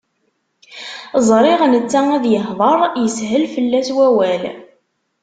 Ẓriɣ netta ad ihdeṛ, ishel fell-as wawal.